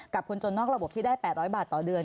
กับคนจนนอกระบบที่ได้แปดร้อยบาทต่อเดือน